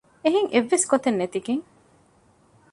އެހެން އެއްވެސް ގޮތެއް ނެތިގެން